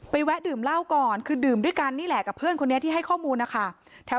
แวะดื่มเหล้าก่อนคือดื่มด้วยกันนี่แหละกับเพื่อนคนนี้ที่ให้ข้อมูลนะคะ